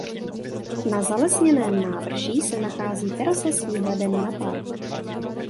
Na zalesněném návrší se nachází terasa s výhledem na park.